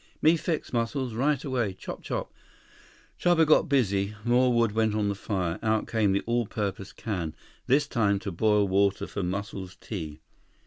"Me fix, Muscles. Right away. Chop. Chop." Chuba got busy. More wood went on the fire. Out came the all purpose can, this time to boil water for Muscles' tea.